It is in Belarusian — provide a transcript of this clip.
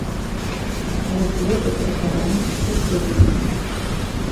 Але цвёрда перакананы, што чуў іх.